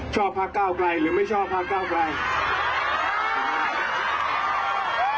ชอบพักเก้าไกลหรือไม่ชอบพักเก้าไกล